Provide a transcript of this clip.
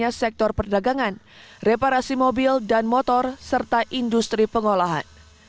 khususnya sektor perdagangan reparasi mobil dan motor serta industri pengolahan